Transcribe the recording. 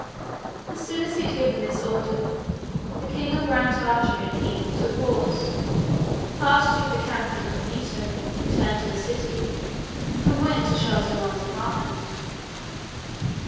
As soon as he had given this order, the king of Grand Tartary and he took horse, passed through the camp incognito, returned to the city, and went to Shaw zummaun's apartment.